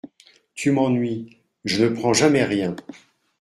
Tu m’ennuies !… je ne prends jamais rien !…